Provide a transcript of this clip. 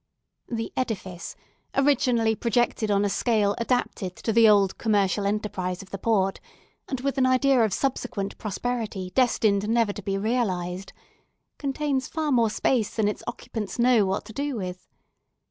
The edifice—originally projected on a scale adapted to the old commercial enterprise of the port, and with an idea of subsequent prosperity destined never to be realized—contains far more space than its occupants know what to do with.